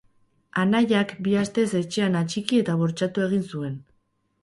Anaiak bi astez etxean atxiki eta bortxatu egin zuen.